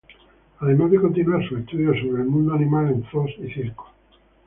Además de continuar sus estudios sobre el mundo animal en zoos y circos.